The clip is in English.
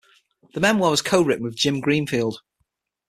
The memoir was co-written with Jim Greenfield.